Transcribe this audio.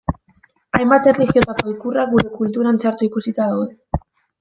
Hainbat erlijiotako ikurrak gure kulturan txarto ikusita daude.